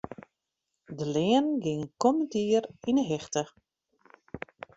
De leanen geane kommend jier yn 'e hichte.